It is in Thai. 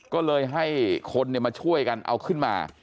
ก็เลยให้คนมาช่วยกันเอาขึ้นมา